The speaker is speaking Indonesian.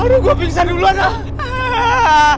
baru gue pingsan duluan ah